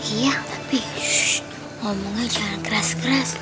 iya tapi ngomongnya jangan keras keras